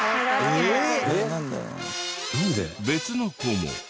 別の子も。